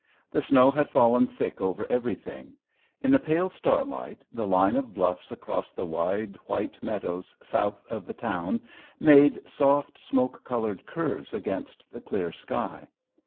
The snow had fallen thick over everything; in the pale starlight the line of bluffs across the wide, white meadows south of the town made soft, smoke coloured curves against the clear sky.